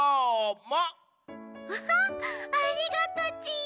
わあありがとち！